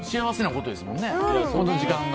この時間が。